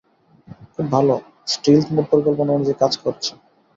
খুব ভালো, stealth mode পরিকল্পনা অনুযায়ী কাজ করছে।